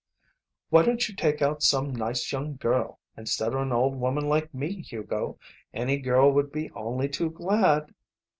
"Why don't you take out some nice young girl instead of an old woman like me, Hugo? Any girl would be only too glad."